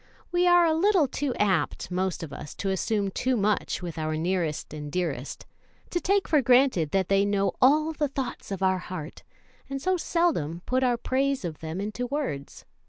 We are a little too apt, most of us, to assume too much with our nearest and dearest to take for granted that they know all the thoughts of our heart, and so seldom put our praise of them into words.